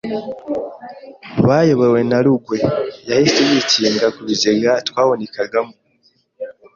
bayobowe na Rugwe yahise yikinga kubigega twahunikagamo